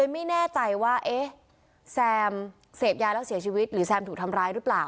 ไม่แน่ใจว่าเอ๊ะแซมเสพยาแล้วเสียชีวิตหรือแซมถูกทำร้ายหรือเปล่า